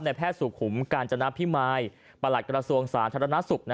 แพทย์สุขุมกาญจนพิมายประหลัดกระทรวงสาธารณสุข